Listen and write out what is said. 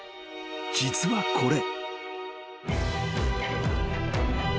［実はこれ］